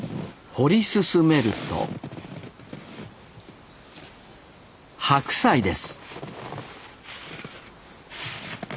掘り進めると白菜です